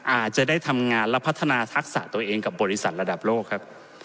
อาจจะได้ทำงานและพัฒนาทักษะตัวเองกับบริษัทระดับโลกครับ